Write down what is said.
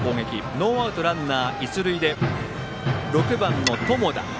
ノーアウトランナー、一塁で６番、友田。